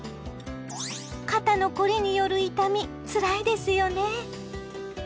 肩の凝りによる痛みつらいですよね。